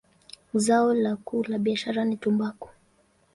Zao lao kuu la biashara ni tumbaku.